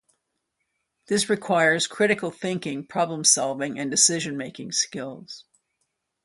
This requires critical thinking, problem-solving, and decision-making skills.